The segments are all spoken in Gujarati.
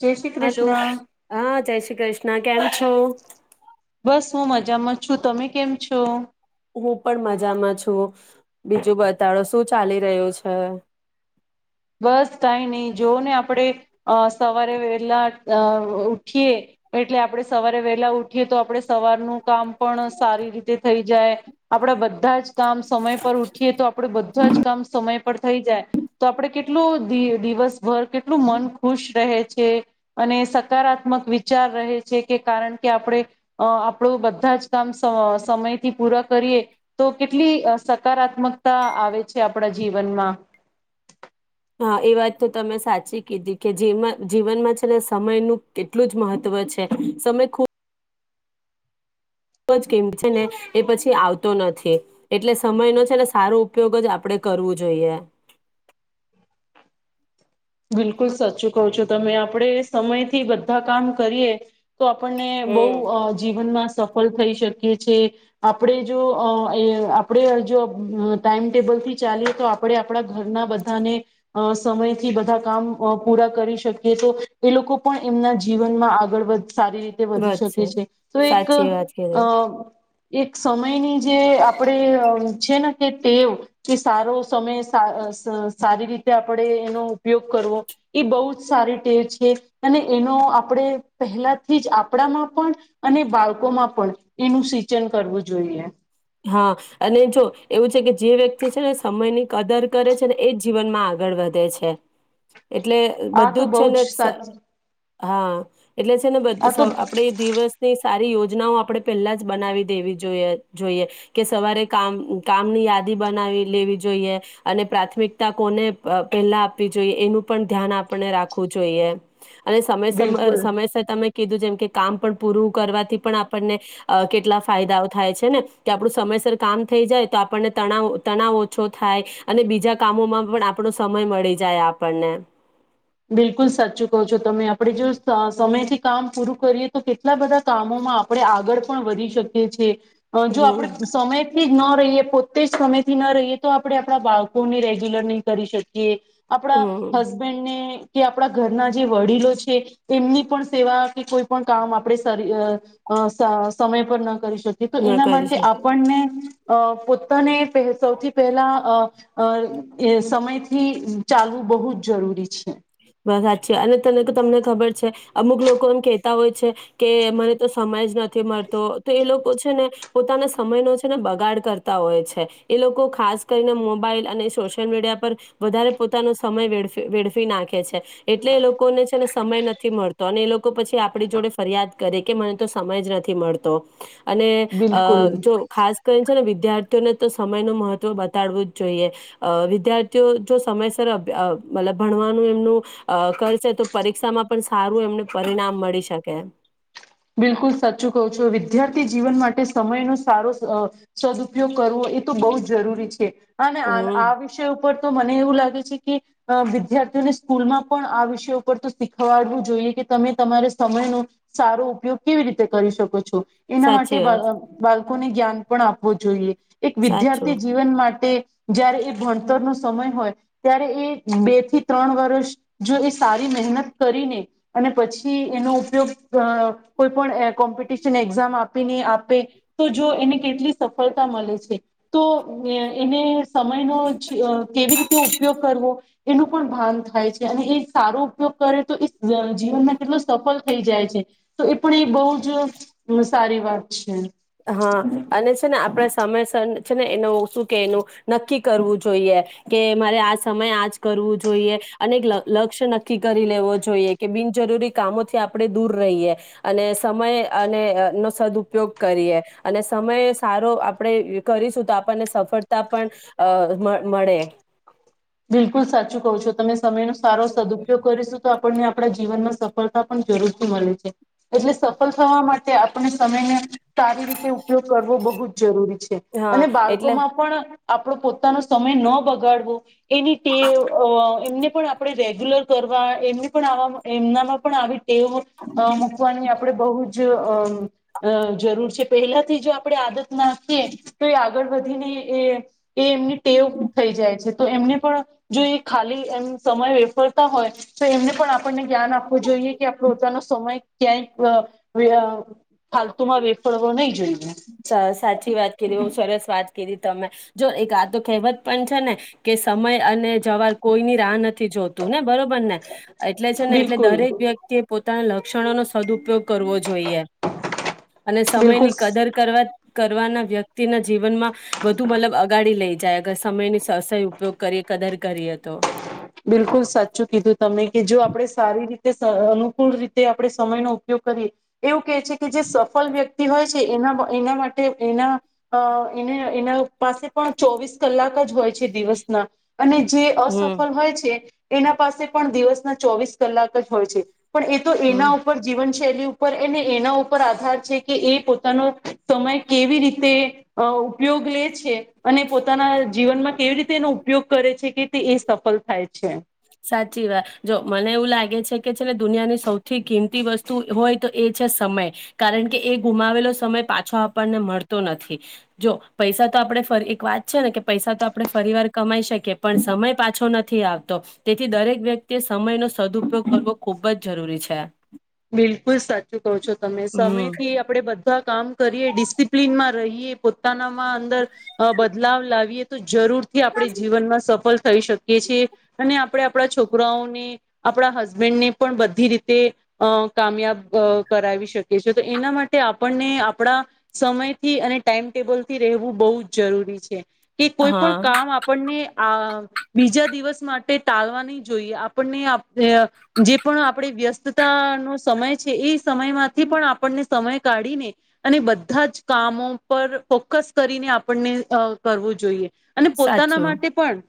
જય શ્રી હલો કૃષ્ણ હા જય શ્રી કૃષ્ણ કેમ છો બસ હું મજામાં છું તમે કેમ છો હું પણ મજામાં છું બીજું બતાડો શું ચાલી રહ્યું છે બસ કઈ નહી જો ને આપણેે સવારે વેલા ઉઠીએ એટલે આપણે સવારે વેલા ઉઠીએ તો આપણે સવારનું કામ પણ સારી રીતે થઈ જાય આપણા બધા જ કામ સમય પર ઉઠીએ તો આપડે બધા જ કામ સમય થઈ જાય તો આપણે કેટલું દિવસભર કેટલું મન ખુશ રહે છે અને સકારાત્મક વિચાર રહે છે કે કારણ કે આપણે આપણું બધા જ કામ સમયથી પૂરા કરીએ તો કેટલી સકારાત્મકતા આવે છે આપણા જીવનમાં હા એ વાત તો તમે સાચી કીધી કે જેમાં જીવનમાં છેલ્ સમયનું કેટલું જ મહત્ત્વ છે સમય ખૂબ કેમ છે ને એ પછી આવતો નથી એટલે સમયનો છે ને સારો ઉપયોગ જ આપણેે કરવો જોઈએ બિલકુલ સાચું કું છો તમે આપડે સમયથી બધા કામ કરીએ તો આપણને બહ જીવનમાં સફળ થઈ શકી છે આપણે જો આપણે જો ટાઈમટેબલથી ચાલીએ તો આપણે આપણા ઘરના બધાને સમય બધા કામ પૂરા કરી શકીએ તો એ લોકો પણ એમના જીવનમાં આગળ વધ સારી રીતે વધી શકે છે તો એક સાચી વાત કરી અ એક સમયની જે આપણે છે ને કે ટેવ કે સારો સમય સારી રીતે આપણે એનો ઉપયોગ કરવો એ બહુ જ સારી ટેવ છે અને એનો આપણે પહેલાથી જ આપણામાં પણ અને બાળકોમાં પણ એનું સિંચન કરવું જોઈએ હા અને જો એવું છે કે જે વ્યક્તિ છે ને સમયની કદર કરે છે ને એ જ જીવનમાં આગળ વધે છે એટલે આ બધું તો જ બહુ છે ને સાચ હા એટલે છે ને આ તો આપણે દિવસની સારી યોજ યોજનાઓ આપડે પેલા જ બનાવી દેવી જોઈએ જોઈએ કે સવારે કામ કામની યાદી બનાવી લેવી જોઈએ અને પ્રાથમિકતા કોને પેલા આપવી જોઈએ એનું પણ ધ્યાન આપણે રાખવું જોઈએ અને સમય સમ બિલકુલ સમયસર તમે કીધું જેમ કે કામ પણ પૂરું કરવાથી પણ આપણને કેટલા ફાયદાઓ થાય છે ને કે આપણું સમયસર કામ થઈ જાય તો આપણને તણાવ તણાવ ઓછો થાય અને બીજા કામોમાં પણ આપણો સમય મળી જાય આપણને બિલકુલ સાચું કહો છો તમે આપડે જો સમયથી કામ પૂરું કરીએ તો કેટલા બધા કામોમાં આપણે આગળ પણ વધી શકીએ છીએ જો હમ આપડે સમય ન રહીએ પોતે જ સમય થી ન રહીએ તો આપડણે આપણા બાળકોને રેગ્યુલર નહી કરી શકીએ આપણા હમ હસબેન્ડ ને કે આપણા ઘરના જે વડીલો છે એમની પણ સેવા કે કોઈ પણ કામ આપણે સમય પર ના કરી તો ન એના કરી માટે શકે આપણને અ પોતાને પ સૌથી પહેલા અ સમયથી ચાલવું બહુ જ જરૂરી છે બસ સાચી અને તને તો તમને ખબર છે અમુક લોકો એમ કેહેતા હોય છે કે મને તો સમાયજ નથી મળતો તો એ લોકો છે ને પોતાના સમય ન છે ને બગાડ કરતા હોય છે એ લોકો ખાસ કરીને મોબાઈલ અને સોશિયલ મીડિયા પર વધારે પોતાનો સમય વેડફી નાખે કે છે એટલે લોકોને છે ને સમય નથી મળતો અને એ લોક કો પછી આપણી જોડે ફરિયાદ કરે કે મને તો સમય જ નથી મળતો. અને અ બિલકુલ જો ખાસ કરીને છે ને વી દ્યાર્થીઓને તો સમયનું મહત્વ બતાડવું જ જોઈએ. અ વિદ્યાર્થીઓ જો સમયસર અભ મતલબ ભણવાનું એમનું અ કરશે તો પરીક્ષામાં પણ સારું એમને પરિણામ મળી શકે. બિલકુલ સાચું કહું છું વિદ્યાર્થી જીવન માટે સમયનો સારો અ સદઉપયોગ કરવો એ તો બહુ જ જરૂરી છે. અને આન હમ આ વિષય ઉપર તો મને એવું લાગે છે કે, અ વિદ્યાર્થીઓને સ્કૂલમાં પણ આ વિષય ઉપર તો શીખવાડવું જોઈએ કે તમે તમારે સમયનો સારો ઉપયોગ કેવી રીતે કરી શકો છો? એના સાચી માટે વાત બા બાળકોને જ્ઞાન પણ આપવો જોઈએ. એક સાચું વિદ્યાર્થી જીવન માટે જયારે એ ભણતરનો સમય હોય, ત્યારે એ બે થી ત્રણ વર્ષ જો એ સારી મહેનત કરીને, અને પછી એનો ઉપયોગ અ કોઈ પણ એ કોમ્પિટિશન એક્ઝામ આપીને આપે, તો જો એને કેટલી સફલતા મલે છે, તો એને સમયનો કેવી રીતે ઉપયોગ કરવો. એનું પણ ભાન થાય છે અને એ સારો ઉપયોગ કરે તો એ જીવનમાં કેટલો સફલ થઈ જાય છે. તો એ પણ એ બહુ જ સારી વાત છે. હા અને છે ને આપણે સમયસર છે ને એનું શું કે એનું, નક્કી કરવું જોઈએ, કે મારે આ સમય આજ કરવું જોઈએ. અને એક લ લક્ષ ન નક્કી કરી લેવો જોઈએ કે બિનજરૂરી કામોથી આપણે દૂર રહીએ, અને સમય અને નો સદઉપયોગ કરીએ, અને સમય સારો આપણે કરીશું તો આપણને સફળતા પણ અ મ મળે. બિલકુલ સાચું કહુ છો તમે સમયનો સારો સદપયોગ કરીશું તો આપણને આપણા જીવનમાં સફલતા પણ જરૂરથી મલે છે. એટલે સફલ થવા માટે આપણે સમયને સારી રીતે ઉપયોગ કરવો બહુ જ જરૂરી છે હા અને એટલે બાળકોમાં પણ આપણો પોતાનો સમય ન બગાડવો. એની ટેવ અ એમને પણ આપણે રેગ્યુલર કરવા એમને પણ આવામાં એમનામાં પણ આવી. ટેવ અ મૂકવાની આપણેે બહુ જ અ અ જરૂર છે પહેલાથી જો આપણે આદત નાખીએ તો એ આગળ વધીને એ એ એમની ટેવ થઈ જાય છે. તો એમને પણ જો એ ખાલી એમ સમય વેફળતા હોય તો એમને પણ આપણને જ્યાન આપવું જોઈએ કે આપ પોતાનો સમય ક્યાંય ફાલતુમાં વેફળવો નહીં જોઈએ. સા સાચી વાત કીધી બહુ સરસ વાત તમે જો એક આતો કહેવત પણ છે ને કે સમય અને જવાર કોઈની રાહ નથી. જોતું ને બરોબર ને એટલે છે ને એટલે બિલકુલ દરેક વ્યક્તિ ત લખ સદપયોગ કરવો જોઈએ અને બિલકુલ સમયની કદર કરવાના વ્યક્તિને. જીવનમાં બધુ મતલબ અગાડી લઈ જાય અગર સમયની સ સહી ઉપયોગ કરીએ કદર કરીએ. તો બિલકુલ સાચું કીધું તમે કે જો આપડે સારી રી તે સ અનુકૂળ રીતે આપણે સમય નો ઉપયોગ કરીએ એવું કે છે કે જે સફલ વ્ય ક્તિ હોય છે એના એના માટે એના અ એને એના પાસે પણ ચોવીસ કલાક જ હોય છે દિવસના અને જે હમ સફલ હોય છે એના પાસે પણ દિવસના ચોવીસ કલાક જ હોય છે. પણ એ તો હમ એના ઉપર જીવન શૈલી ઉપર એ એના ઉપર આધાર છે કે એ પોતાનો સમય કેવી રીતે અ ઉપયોગ લે છે. અને પોતાના જીવનમાં કેવી રીતે એનો ઉપયોગ કરે છે કે તે એ થાય છે. સાચી વાત જો મને એવું લાગે છે છેકે છે ને દુનિયાની સૌથી કિંમતી વસ્તુ હોય તો એ છે સમય કારણ કે એ ગુમાવેલો સમય પાછો આપણને મળતો નથી જો પૈસા તો આપણે ફરી એક વાત છે ને કે પૈસા તો આપણે ફરી વાર કમાઈ શકીએ પણ સમય પાછો નથી આવતો તેથી દરેક વ્યક્તિએ સમયનો સદઉપયોગ કરવો ખૂબ જ જરૂરી છે. બિલકુલ સાચું કહો છો તમે સમય હમ થી આપડે બ ધાં કામ કરીએ ડિસિપ્લનમાં રહીએ પોતાનામાં અંદર અ બદલાવ લાવીએ તો જરૂર થી આપણે જીવનમાં સફલ થઈ શકીએ છીએ અને આપણે આપણા છોકરાઓને આપણા હસબેન્ડને પણ બધી રીતે અ કામયાબ અ કરાવી શકીએ છે તો એના માટે આપણને આપણા સમયથી અને ટાઈમટેબલથી રહેવું બહુ જ જરૂરી છે. કે કોઈ પણ હા કામ આપણને આ બીજા દિવસ માટે ટાલવા નહી જોઈએ આપણને આપ જે પણ આપણે વ્યસ્ત તા નો સમય છે એ સમયમાંથી પણ આપણને સમય કાઢીને અને બધા જ કામો પર ફોકસ કરીને આપણને અ કરવું જોઈએ. અને પોતાના સાચું માટે પણ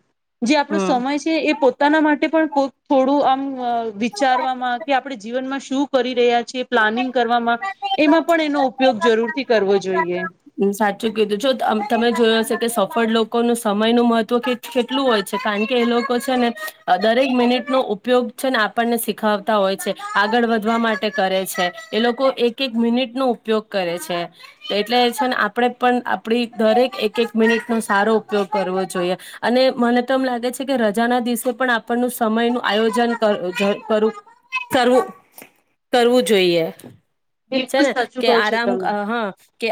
જે આપણો હમ સમય છે એ પોતાના માટે પણ બો થોડું આમ અ વિચારવામાં આપણે જીવનમાં શું કરી રહ્યા છે પ્લાનિંગ કરવામાં એમાં પણ એનો ઉપયોગ જરૂર હ સાચું કીધું જો તમે જોયો હશે કે સફળ લોકોનું સમય નું મહત્વ કેટ કેટલું હોય છે. કારણ કે એ લોકો છે ને અ દરેક મિનિટનો ઉપયોગ છે ને આપણને શીખાવતા હોય છે. આગળ વધવા માટે કરે છે. એ લોકો એક એક મિનિટનો ઉપયોગ કરે છે. એટલે છે ને આપણે પણ આપડી દરેક એક એક મિનિટનો સારો ઉપયોગ કરવો જોઈએ અને મને તો એમ લાગે છે કે રજાના દિવસે પણ આપણનું સમય નું આયોજન કરું કરવું કરવું જોઈએ. છે ને બિલકુલ સાચું કે કહો છો આરામ તમે હા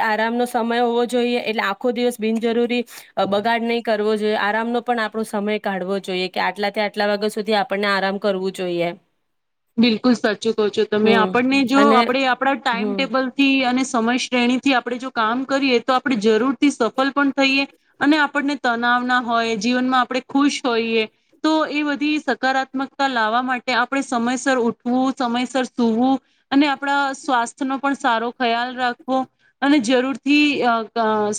આરામનો સમય હોવો જોઈએ એટલે આખો દિવસ બિનજરૂરી બગાડ નહી કરવો. આરામનો પણ આપણો સમય કાઢવો જોઈએ કે આટલાથી આટલા વાગ્યા સુધી આપણને આરામ કરવું જોઈએ. બિલકુલ સાચું કહો છો તમે હમ આપણને જો અને આપણે આપણા હમ ટાઈમટેબલથી અને સમય શ્રેણી થી આપણે જો કામ કરીએ તો આપણે જરૂરથી સફળ પણ થઈએ અને આપણને તનાવના હોય જીવનમાં આપણે ખુશ હોઈએ તો એ બધી સકારાત્મકતા લાવવા માટે આપણે સમયસર ઉઠવું સમયસર સૂવું અને આપણા સ્વાસ્થ્ય નો પણ સારો ખ્યાલ રાખવો અને જરૂર થી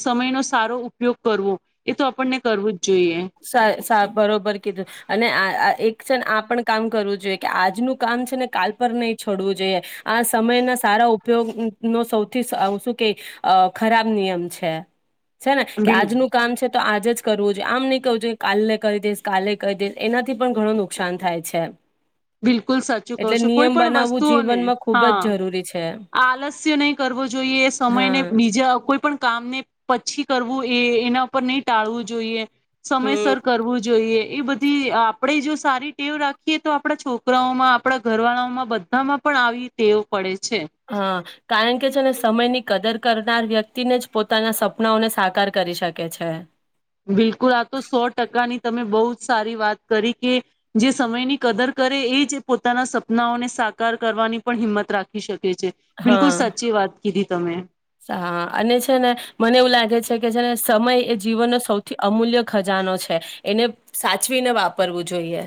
સમયનો સારો ઉપયોગ કરવો એ તો આપણને કરવું જ જોઈએ સા સા બરોબર કીધું અને આ એક છે ને આ પણ કામ કરવું જોઈએ કે આજનું કામ છે ને કાલ પર નહી છોડવું જોઈએ આ સમયના સારા ઉપયોગ નો સૌથી શું કે ખરાબ નિયમ છે. છે ને કે બિલ આજનું કામ છે. તો આજે જ કરવું છે આમ નઇ કું છે કાલને કરી દઈશ કાલે કરી દઈશ એનાથી પણ ઘણું નુકસાન થાય છે. બિલકુલ સાચું કહું એટલે છું કોઈ નિયમ પણ બનાવવું વસ્તુઓને જીવનમાં ખૂબ જ હા જરૂરી છે આલસ્ય નહી કરવો જોઈએ હા સમયને બીજા કોઈ પણ કામ ને પછી કરવું એ એના ઉપર નહી ટાળવું જોઈએ. હમ સમયસર કરવું જોઈએ. એ બધી આપડણે જો સારી ટેવ રાખીએ તો આ આપણા છોકરાઓમાં આપડા ઘરવાળાઓમાં બધામાં પણ આવી તેવ પડે છે. હા. કારણ કે જેને સમયની કદર કરનાર વ્યક્તિને જ પોતાના સપનાઓને સાકાર કરી શકે છે. બિલકુલ આ તો સો ટકાની તમે બહુ જ સારી વાત કરી કે જે સમયની કદર કરે એ જ પોતાના સપનાઓને સાકાર કરવાની પણ હિંમત રાખી શક છે બિલકુલ હા સાચી વાત. કીધી તમે. હા અને છે ને મને એવું લાગે છે કે છેને સમય એ જીવનનો સૌથી અમૂલ્ય ખજાનો છે એને સાચવીને વાપરવું જોઈએ.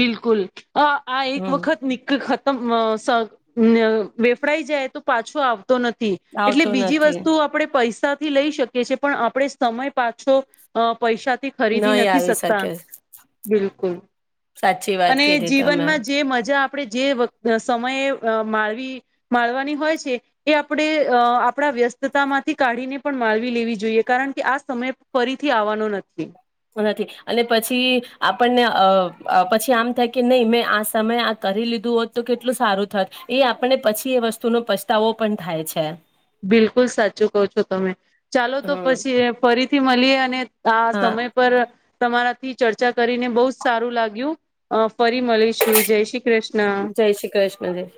બિલકુલ આ એક હમ વખત નિ સ ન વેફડાઈ જાય તો પાછો આવ તો નથી એટલે આવતો બીજી નથી વસ્તુ આપણે પૈસા થી લઈ શકીએ છીએ પણ આપણે સમય પાછો અ પૈસાથી ખરીદી નહી નથી આવી શકતા. શકે બિલકુલ. સાચી વાત અને કીધી તમે જીવનમાં જે મજા આપણે જે સમયે માળવી માળવાની હોય છે એ આપણે આપણા વ્યસ્તતા માંથી કાઢીને પણ માળવી લેવી જોઈએ કારણ કે આ સમય ફરીથી આવવાનો નથી. નથી અને પછી આપણને પછી આમ થાય કે નહી મેં આ સમયે આ કરી લીધું હોત તો કેટલું સારું થત એ આપણને પછી એ વસ્તુનો પછતાવો પણ થાય છે. બિલકુલ સાચું કવ છો તમે ચાલો તો હમ પછી ફરી થી મળી અને આ હા સમય પર તમારા થી ચર્ચા કરીને બહુ જ સારું લાગ્યું ફરી મળીશું જય શ્રી કૃષ્ણ. જય શ્રી કૃષ્ણ. [unintelligible]